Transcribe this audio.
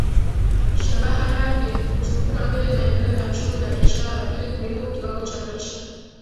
shabaha yake kusukuma mbele maendeleo ya uchumi na biashara ili kuinua kiwango cha maisha